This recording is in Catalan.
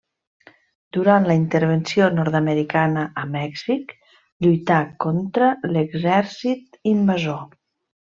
Durant la Intervenció Nord-americana a Mèxic lluità contra l'exèrcit invasor.